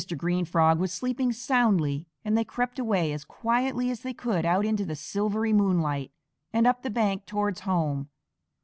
Green Frog was sleeping soundly, and they crept away as quietly as they could out into the silvery moonlight and up the bank towards home.